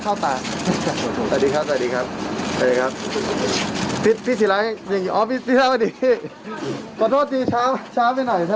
ครับครับแป๊บหนึ่งขอขอบคุณครับเดี๋ยวเดี๋ยวเดี๋ยวน้ำมันเข้าตา